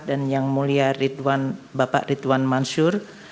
dan yang mulia bapak ridwan mansur